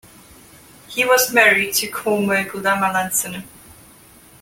He was married to Komeh Gulama Lansana.